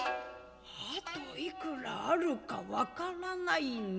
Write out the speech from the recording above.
あといくらあるか分からないね」。